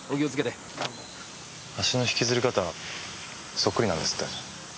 足の引きずり方そっくりなんですって。